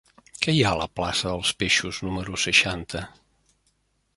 Què hi ha a la plaça dels Peixos número seixanta?